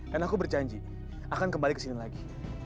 dan aku berjanji akan kembali kesini lagi